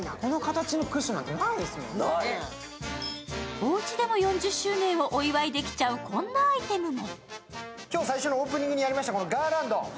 おうちでも４０周年をお祝いできちゃうこんなアイテムも。